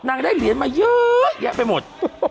ได้เหรียญมาเยอะแยะไปหมด